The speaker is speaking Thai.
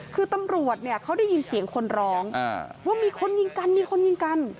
คือตำรวจเนี่ยเขาได้ยินเสียงคนร้องว่ามีคนยิงกันมีคนยิงกัน